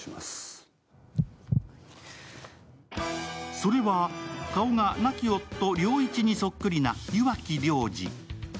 それは顔が亡き夫・良一にそっくりな岩城良治。